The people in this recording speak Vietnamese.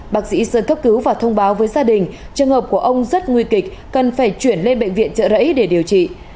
bác sĩ sơn cấp cứu và thông báo với gia đình trường hợp của ông rất nguy kịch cần phải chuyển lên bệnh viện trợ rẫy để điều trị